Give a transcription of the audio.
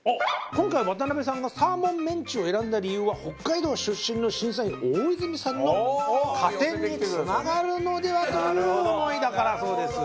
今回渡邊さんがサーモンメンチを選んだ理由は北海道出身の審査員大泉さんの加点につながるのでは？という思いだからだそうです。